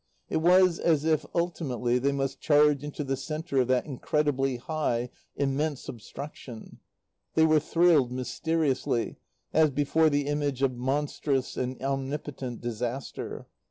It was as if, ultimately, they must charge into the centre of that incredibly high, immense obstruction. They were thrilled, mysteriously, as before the image of monstrous and omnipotent disaster.